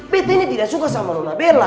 pete ini tidak suka sama rona bella